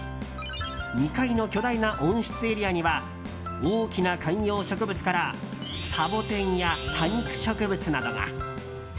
２回の巨大な温室エリアには大きな観葉植物からサボテンや多肉植物などが。